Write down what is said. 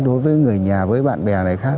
đối với người nhà với bạn bè này khác